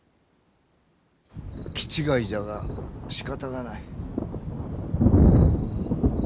きちがいじゃがしかたがない。